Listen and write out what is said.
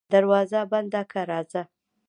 دروازه بنده که راځه.